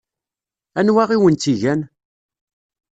Anwa i wen-tt-igan?